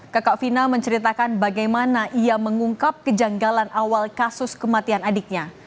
kakak vina menceritakan bagaimana ia mengungkap kejanggalan awal kasus kematian adiknya